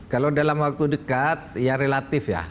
kalau dalam waktu dekat ya relatif ya